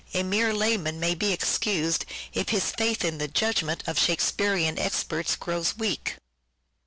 A mere layman may be excused if his faith in the judgment of Shake spearean experts grows weak.